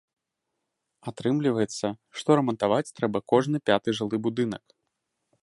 Атрымліваецца, што рамантаваць трэба кожны пяты жылы будынак.